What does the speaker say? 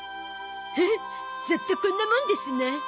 フッざっとこんなもんですな。